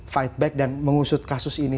fight back dan mengusut kasus ini